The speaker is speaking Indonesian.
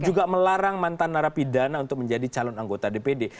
juga melarang mantan narapidana untuk menjadi calon anggota dpd